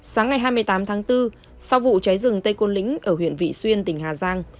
sáng ngày hai mươi tám tháng bốn sau vụ cháy rừng tây côn lĩnh ở huyện vị xuyên tỉnh hà giang